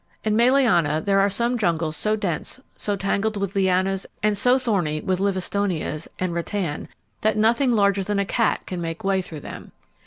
In Malayana there are some jungles so dense, so tangled with lianas and so thorny with Livistonias and rattan that nothing larger than a cat can make way through them.